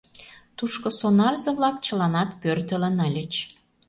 Тушко сонарзе-влак чыланат пӧртылын ыльыч.